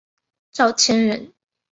赵谦人。